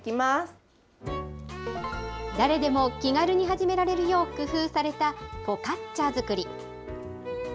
誰でも気軽に始められるよう工夫されたフォカッチャ作り。